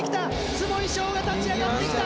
坪井翔が立ち上がってきた。